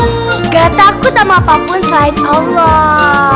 tidak takut sama apapun selain allah